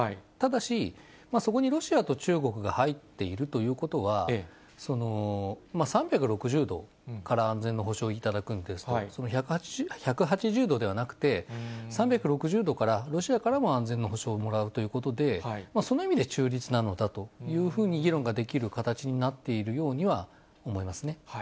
ただし、そこにロシアと中国が入っているということは、３６０度から安全の保証を頂くんですけれども、その１８０度ではなくて、３６０度から、ロシアからも安全の保証をもらうということで、その意味で中立なのだというふうに議論ができる形になっているようには思いますね。